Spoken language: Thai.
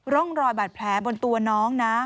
ร่องรอยบาดแผลบนตัวน้องนะ